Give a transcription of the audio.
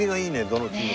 どの木も。